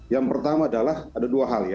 yang pertama adalah ada dua hal ya